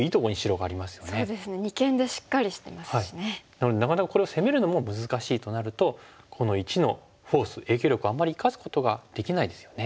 なのでなかなかこれを攻めるのも難しいとなるとこの①のフォース影響力あんまり生かすことができないですよね。